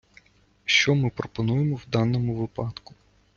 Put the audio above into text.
Що ми пропонуємо в даному випадку?